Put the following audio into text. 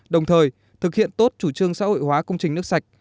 đồng thời thực hiện tốt chủ trương xã hội hóa công trình nước sạch